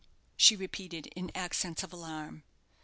she repeated, in accents of alarm.